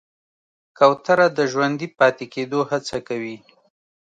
کوتره د ژوندي پاتې کېدو هڅه کوي.